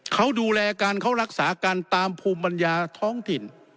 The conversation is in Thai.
เขาดูแลกันเขารักษากันตามภูมิปัญญาท้องถิ่น